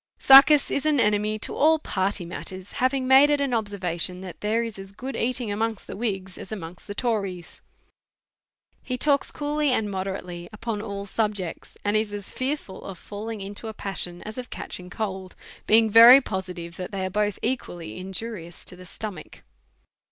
Succus is an enemy to all party matters. ,14$ A SERIOUS CALL TO A having" made it an observation, that there is as good eating amongst the whig s as the tories. He talks coolly and moderately upon all subjects, and is as fearful of falling into a passion as of catcli ing cold, being* very positive that they are both equal ly injurious to the stomach.